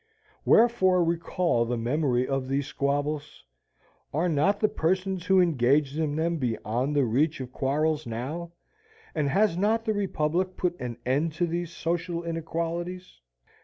Wherefore recall the memory of these squabbles? Are not the persons who engaged in them beyond the reach of quarrels now, and has not the republic put an end to these social inequalities?